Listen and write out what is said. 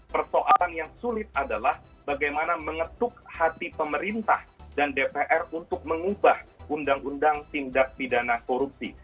persoalan yang sulit adalah bagaimana mengetuk hati pemerintah dan dpr untuk mengubah undang undang tindak pidana korupsi